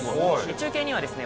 中継にはですね